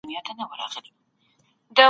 خپل مخ په پاکه دستمال سره تل وچ وساتئ.